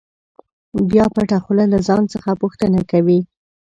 بیا پټه خوله له ځان څخه پوښتنه کوي.